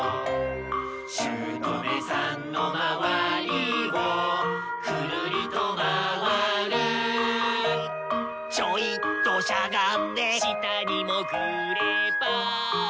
「姑さんのまわりをくるりとまわる」「ちょいとしゃがんで」「下にもぐれば」